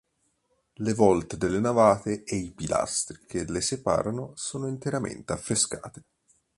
Le volte delle navate e i pilastri che le separano sono interamente affrescate.